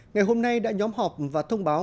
ngày hôm nay đã nhóm họp và thông báo